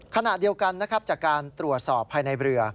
ขณะเดียวกันนะครับจากการตรวจสอบภายในเรือ